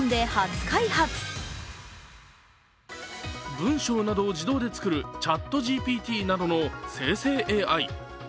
文章などを自動で作るＣｈａｔＧＰＴなどの生成ＡＩ。